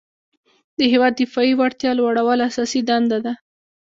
د هیواد دفاعي وړتیا لوړول اساسي دنده ده.